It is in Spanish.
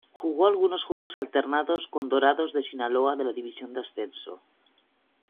Jugó algunos juegos alternados con Dorados de Sinaloa de la División de ascenso.